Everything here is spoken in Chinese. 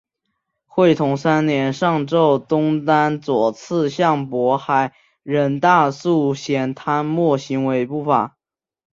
会同三年上奏东丹左次相渤海人大素贤贪墨行为不法。